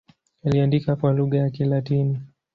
Aliandika kwa lugha ya Kilatini.